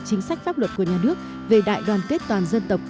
chính sách pháp luật của nhà nước về đại đoàn kết toàn dân tộc